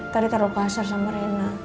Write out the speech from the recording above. tadi taruh pasar sama rena